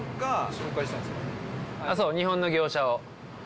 そう、日本の業者を。